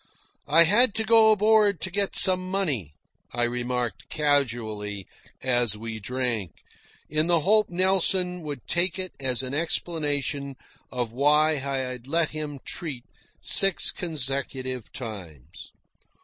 "I had to go aboard to get some money," I remarked casually, as we drank, in the hope Nelson would take it as an explanation of why I had let him treat six consecutive times.